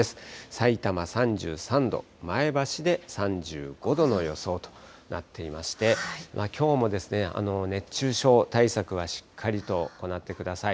さいたま３３度、前橋で３５度の予想となっていまして、きょうも熱中症対策はしっかりと行ってください。